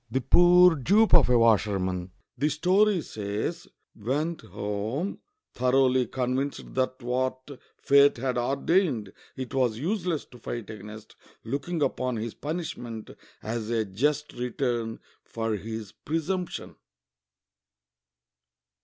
The poor dupe of a washerman — the story says — went home thoroughly convinced that what fate had ordained it was useless to fight against, looking upon his punishment as a just return for his presumption.